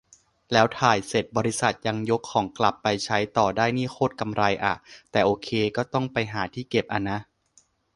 แล้วถ่ายเสร็จบริษัทยังยกของกลับไปใช้ต่อได้นี่โคตรกำไรอะ แต่โอเค ก็ต้องไปหาที่เก็บอะนะ